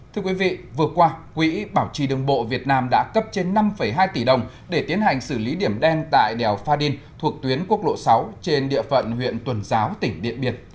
thưa quý vị vừa qua quỹ bảo trì đường bộ việt nam đã cấp trên năm hai tỷ đồng để tiến hành xử lý điểm đen tại đèo pha đin thuộc tuyến quốc lộ sáu trên địa phận huyện tuần giáo tỉnh điện biệt